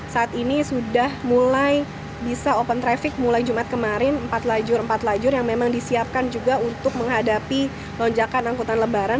saat ini sudah mulai bisa open traffic mulai jumat kemarin empat lajur empat lajur yang memang disiapkan juga untuk menghadapi lonjakan angkutan lebaran